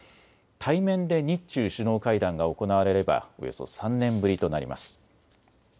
対面で日中首脳会談が行われればおよそ３年ぶりとなります。